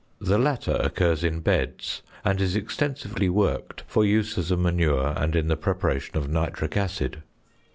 The latter occurs in beds, and is extensively worked for use as a manure and in the preparation of nitric acid.